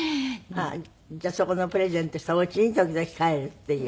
じゃあそこのプレゼントしたお家に時々帰るっていう。